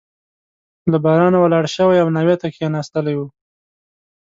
له بارانه ولاړ شوی او ناوې ته کښېنستلی وو.